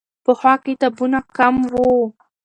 پخوا کتابونه کم وو.